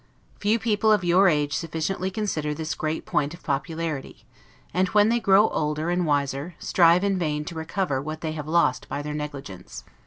Few people of your age sufficiently consider this great point of popularity; and when they grow older and wiser, strive in vain to recover what they have lost by their negligence.